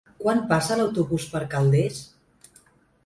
Quan passa l'autobús per Calders?